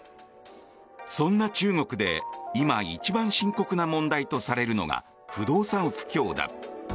そんな中国で今、一番深刻な問題とされるのが不動産不況だ。